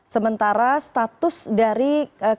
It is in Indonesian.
sementara status dari kasus ini